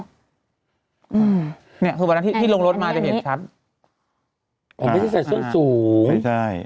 อืมเนี้ยคือวันนั้นที่ที่ลงรถมาจะเห็นครับอ๋อไม่ใช่ใส่ส้นสูงไม่ใช่